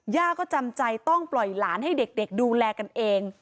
ย่าก็จำใจต้องปล่อยหลานให้เด็กดูแลกันเอง